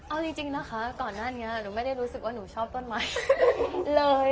เก่งมากเอาจริงนะคะก่อนนั้นเนี่ยหนูไม่ได้รู้สึกว่าหนูชอบต้นไม้เลย